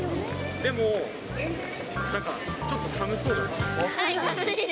でも、なんかちょっと寒そうだね。